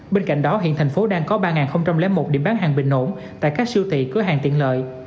bên cạnh đó hiện thành phố đang có ba một điểm bán hàng bình ổn tại các siêu thị cửa hàng tiện lợi